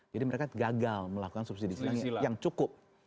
jadi mereka gagal melakukan subsidi silang yang cukup